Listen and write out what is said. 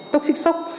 tốc xích sốc